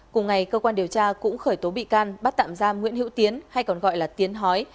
cùng ngày cơ quan điều tra cũng khởi tố bị can bắt tạm giam nguyễn hữu tiến hay còn gọi là tiến hói